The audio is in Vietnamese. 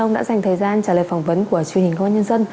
ông đã dành thời gian trả lời phỏng vấn của truyền hình công an nhân dân